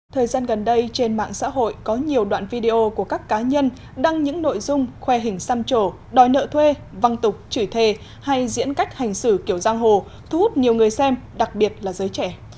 thời gian gần đây trên mạng xã hội có nhiều đoạn video của các cá nhân đăng những nội dung khoe hình xăm trổ đòi nợ thuê văng tục chửi thề hay diễn cách hành xử kiểu giang hồ thu hút nhiều người xem đặc biệt là giới trẻ